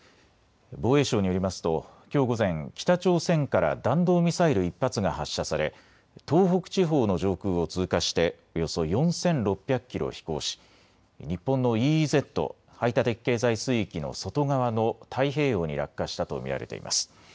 防衛省によりますときょう午前、北朝鮮から弾道ミサイル１発が発射され東北地方の上空を通過しておよそ４６００キロ飛行し、日本のＥＥＺ・排他的経済水域の外側の太平洋に落下したと見られています。